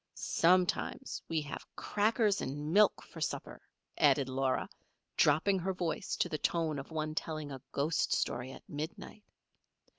"Sometimes we have crackers and milk for supper," added Laura, dropping her voice to the tone of one telling a ghost story at midnight.